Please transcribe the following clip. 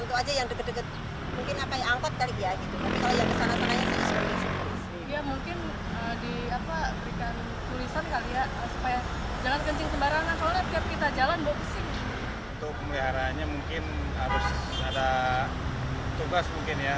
untuk pemeliharannya mungkin harus ada tugas mungkin ya